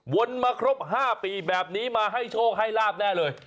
มาครบ๕ปีแบบนี้มาให้โชคให้ลาบแน่เลย